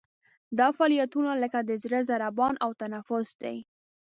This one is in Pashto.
دا فعالیتونه لکه د زړه ضربان او تنفس دي.